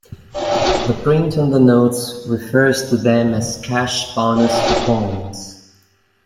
The print on the 'notes' refers to them as "cash bonus coupons".